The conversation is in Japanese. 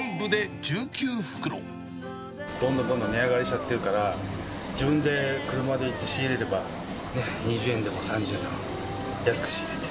どんどんどんどん値上がりしちゃってるから、自分で車で仕入れればね、２０円でも３０円でも安く仕入れて。